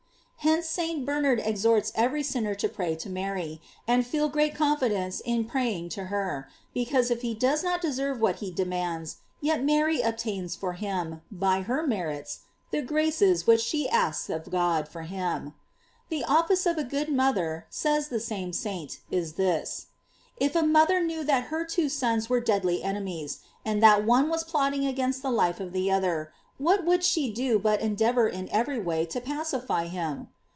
* Hence St. Bernard exhorts every sinner to pray to Mary, and to feel great confidence in praying to her; because if he does not deserve what he demands, yet Mary obtains for him, by her merits, the graces which she asks of God for him.f The office of a good mother, says the same saint, is this: if a mother knew that her two sons were deadly enemies, and that one was plot ting against the life of the other, what would she do but endeavor in every way to pacify him